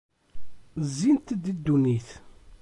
Zzint-d i ddunit!